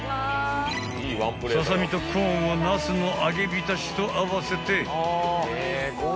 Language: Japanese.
［ササミとコーンをナスの揚げ浸しと合わせて］